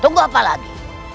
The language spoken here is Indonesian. tunggu apa lagi